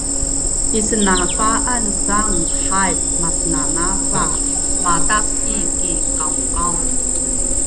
Isnava’an saam haip masnanava matas’i ki qaungqaung